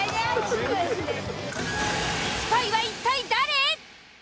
スパイは一体誰！？